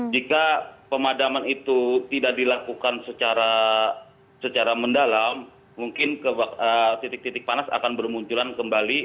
jika pemadaman itu tidak dilakukan secara mendalam mungkin titik titik panas akan bermunculan kembali